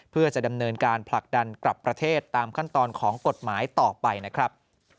เพื่อจะดำเนินการผลักดันกลับประเทศตามขั้นตอนของกฎหมายต่อไปนะครับ